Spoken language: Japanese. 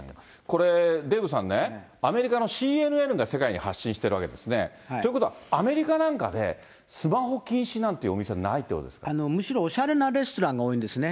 これ、デーブさんね、アメリカのＣＮＮが世界に発信しているわけですね。ということは、アメリカなんかでスマホ禁止なんておむしろおしゃれなレストランが多いんですね。